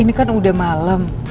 ini kan udah malem